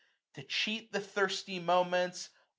To cheat the thirsty moments.